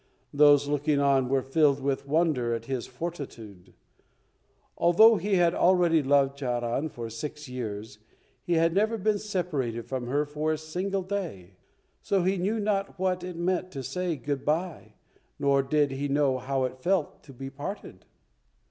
Those looking on were filled with wonder at his fortitude. Although he had already loved Charan for six years, he had never been separated from her for a single day, so he knew not what it meant to say Good bye, nor did he know how it felt to be parted.